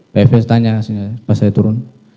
pak efes tanya hasilnya pas saya turun